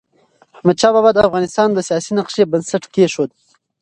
احمدشاه بابا د افغانستان د سیاسی نقشې بنسټ کيښود.